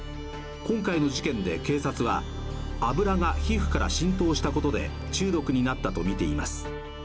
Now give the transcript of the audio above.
今回の事件で警察は油が皮膚から浸透したことで中毒になったとみています。